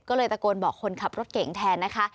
ก็เลยตะโกนบอกคนขับรถเก่งแทนนะคะ